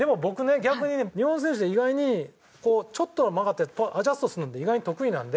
逆にね日本の選手って意外にこうちょっと曲がったやつをアジャストするのって意外に得意なんで。